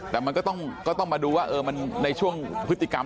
แต่มันก็ต้องมาดูว่ามันในช่วงพฤติกรรม